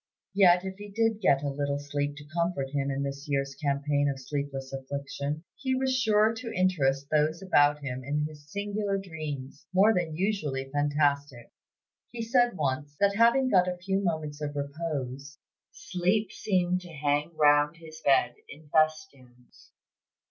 Yet if he did get a little sleep to comfort him in this year's campaign of sleepless affliction, he was sure to interest those about him in his singular dreams, more than usually fantastic. He said once, that having got a few moments of repose, 'sleep seemed to hang round his bed in festoons.'